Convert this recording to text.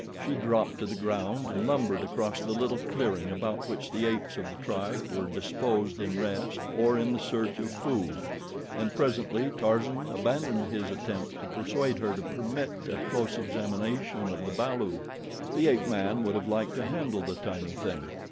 She dropped to the ground and lumbered across the little clearing about which the apes of the tribe were disposed in rest or in the search of food, and presently Tarzan abandoned his attempts to persuade her to permit a close examination of the balu. The ape man would have liked to handle the tiny thing.